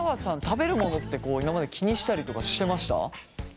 食べるものって今まで気にしたりとかしてました？